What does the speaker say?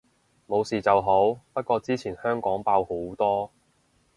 冇事就好，不過之前香港爆好多